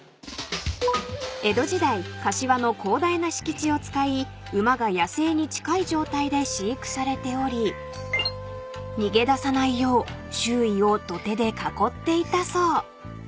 ［江戸時代柏の広大な敷地を使い馬が野生に近い状態で飼育されており逃げ出さないよう周囲を土手で囲っていたそう］